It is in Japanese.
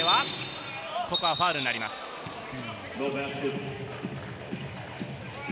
富永啓生、ここはファウルになります。